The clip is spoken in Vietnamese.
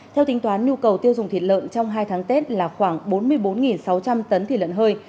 theo tính toán nhu cầu tiêu dùng thịt lợn trong hai tháng tết là khoảng bốn mươi bốn sáu trăm linh tấn thịt lợn hơi